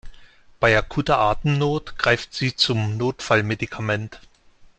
Bei akuter Atemnot greifen Sie zum Notfallmedikament.